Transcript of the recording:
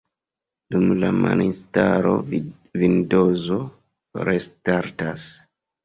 Dum la malinstalo Vindozo restartas.